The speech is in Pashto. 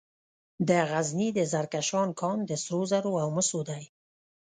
د غزني د زرکشان کان د سرو زرو او مسو دی.